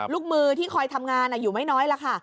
ลูกมือที่คอยทำงานอยู่ไม่น้อยล่ะค่ะ